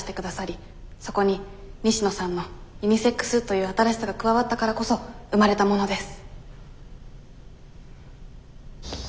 そこに西野さんのユニセックスという新しさが加わったからこそ生まれたものです。